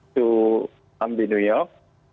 saya di new york